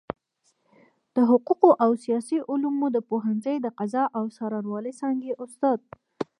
د حقوقو او سياسي علومو د پوهنځۍ د قضاء او څارنوالۍ څانګي استاد